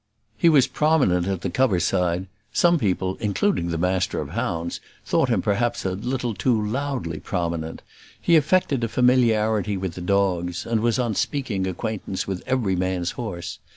He was prominent at the cover side; some people, including the master of hounds, thought him perhaps a little too loudly prominent; he affected a familiarity with the dogs, and was on speaking acquaintance with every man's horse.